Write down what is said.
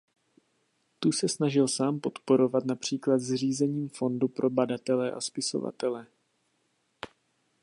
Tu se snažil sám podporovat například zřízením fondu pro badatele a spisovatele.